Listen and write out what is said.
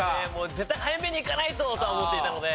絶対早めにいかないと！と思っていたので。